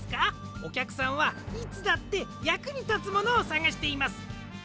おきゃくさんはいつだってやくにたつものをさがしています。